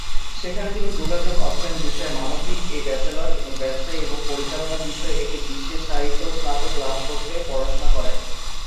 সেখানে তিনি যোগাযোগ অধ্যায়ন বিষয়ে মানবিক এ ব্যাচেলর এবং ব্যবসা এবং পরিচালনা বিষয়ে একটি বিশেষায়িত স্নাতক লাভ করতে পড়াশোনা করেন।